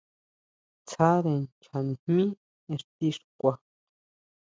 Tsáre ncha nijmí ixti xkua.